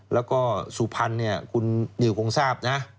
แล้วก็สุพรรณเนี่ยคุณนิวคงทราบนะ